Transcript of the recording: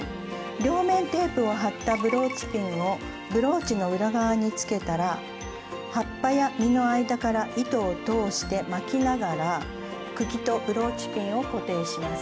両面テープを貼ったブローチピンをブローチの裏側につけたら葉っぱや実の間から糸を通して巻きながら茎とブローチピンを固定します。